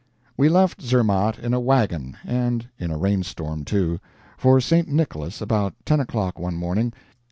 We left Zermatt in a wagon and in a rain storm, too for St. Nicholas about ten o'clock one morning.